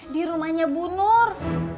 di rumahnya bu nur